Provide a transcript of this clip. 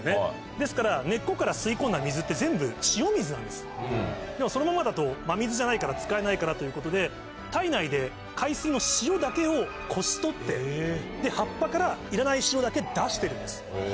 ですから根っこから吸い込んだ水って全部潮水なんですでもそのままだと真水じゃないから使えないからということで体内で海水の塩だけをこし取って葉っぱからいらない塩だけ出してるんです。